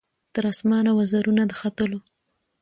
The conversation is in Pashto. تر اسمانه وزرونه د ختلو